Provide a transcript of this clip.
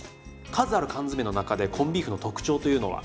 数ある缶詰の中でコンビーフの特徴というのは？